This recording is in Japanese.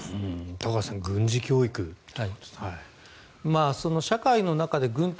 高橋さん、軍事教育と。